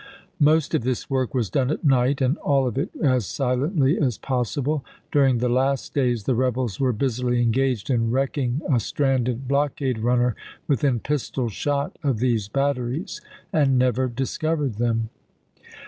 Most of this work was done at night, and all of it as silently as possible ; during the last days the rebels were busily engaged in wrecking a stranded blockade runner within pistol shot of these batteries, and never discovered them.